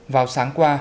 vào sáng qua